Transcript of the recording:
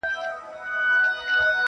زه او ته به هم په لاره کي یاران سو -